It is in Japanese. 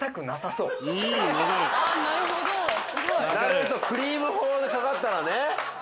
なるへそクリーム砲でかかったらね。